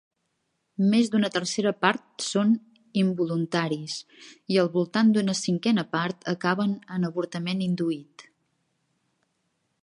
Més d'una tercera part són involuntaris i al voltant d'una cinquena part acaben en avortament induït.